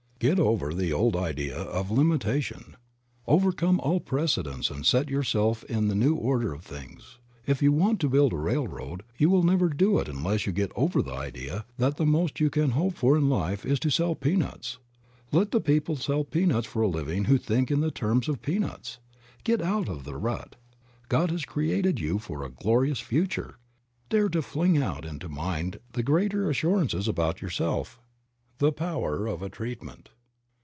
Get over the old idea of limita 50 Creative Mind. tion. Overcome all precedents and set yourself in the new order of things. If you want to build a railroad, you will never do it unless you get over the idea that the most you can hope for in life is to sell peanuts. Let the people sell peanuts for a living who think in the terms of peanuts. Get out of the rut. God has created you for a glorious future ; dare to fling out into mind the greater assurances about yourself. THE POWER OF A TREATMENT.